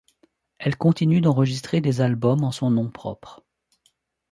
Elle continue d'enregistrer des albums en son nom propre.